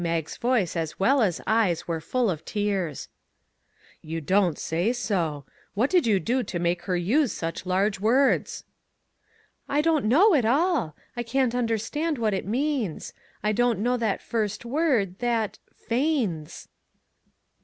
Mag's voice as well as eyes were full of tears. " You don't say so ! What did you do to make her use such large words? "" I don't know at all ; I can't understand what it means. I don't know that first word that ' feigns.'